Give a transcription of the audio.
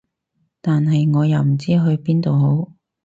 但係我又唔知去邊度好